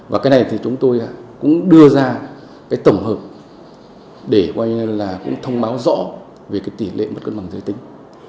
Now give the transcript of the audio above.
và cái này thì chúng tôi cũng đưa ra tổng hợp để thông báo rõ về tỷ lệ mất cân bằng giới tính